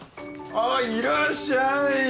ああいらっしゃい。